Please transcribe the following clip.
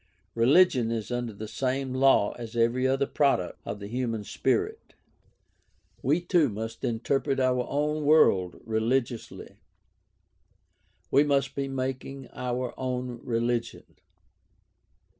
Religion is under the same law as every other product of the human spirit. We too must interpret our own world religiously; we must be making our own religion.